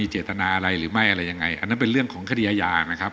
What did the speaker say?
เจตนาอะไรหรือไม่อะไรยังไงอันนั้นเป็นเรื่องของคดีอาญานะครับ